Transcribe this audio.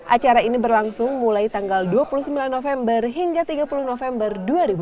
acara ini berlangsung mulai tanggal dua puluh sembilan november hingga tiga puluh november dua ribu dua puluh